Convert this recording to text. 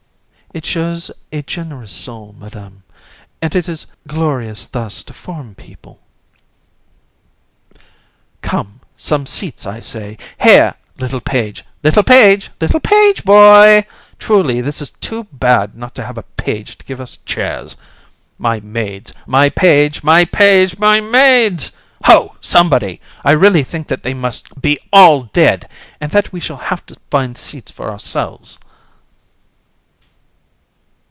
JU. It shows a generous soul, Madam, and it is glorious thus to form people. COUN. Come, some seats, I say! Here, little page! little page! little page boy! Truly, this is too bad not to have a page to give us chairs! My maids! my page! my page! my maids! Ho! somebody! I really think that they must be all dead, and that we shall have to find seats for ourselves.